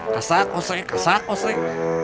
kasak kosek kasak kosek